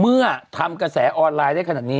เมื่อทำกระแสออนไลน์ได้ขนาดนี้